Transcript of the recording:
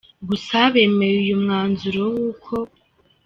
gusa bemeye uyu mwanzuro w’uko